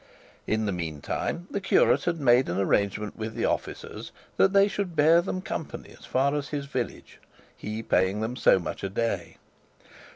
In the meantime the curate had made an arrangement with the officers that they should bear them company as far as his village, he paying them so much a day.